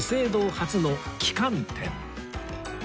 初の旗艦店